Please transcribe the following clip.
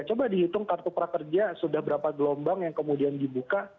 coba dihitung kartu prakerja sudah berapa gelombang yang kemudian dibuka